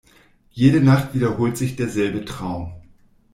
Jede Nacht wiederholt sich derselbe Traum.